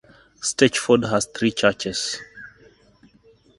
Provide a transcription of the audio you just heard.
Stechford has three churches.